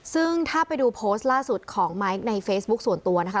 ซึ่งถ้าไปดูโพสต์ล่าสุดของไม้ในเฟซบุ๊คส่วนตัวนะคะ